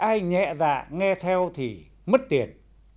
ai nhẹ dạ nghe theo thì mất tiền